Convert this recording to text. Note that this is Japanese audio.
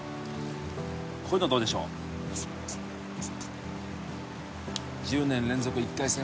こういうのどうでしょう１０年連続１回戦